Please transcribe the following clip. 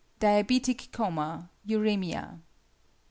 Diabetic coma; uræmia.